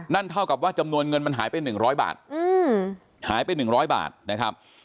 เท่ากับว่าจำนวนเงินมันหายไป๑๐๐บาทหายไป๑๐๐บาทนะครับ